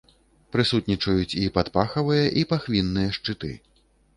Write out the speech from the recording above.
Прысутнічаюць і падпахавыя, і пахвінныя шчыты.